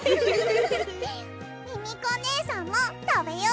ミミコねえさんもたべよ。